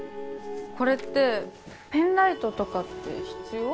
これってペンライトとかって必要？